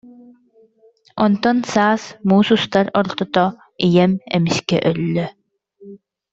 Онтон саас, муус устар ортото, ийэм эмискэ өллө